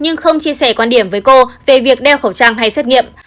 nhưng không chia sẻ quan điểm với cô về việc đeo khẩu trang hay xét nghiệm